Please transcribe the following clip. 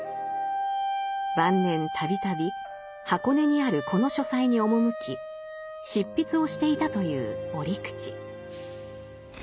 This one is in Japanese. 晩年度々箱根にあるこの書斎に赴き執筆をしていたという折口。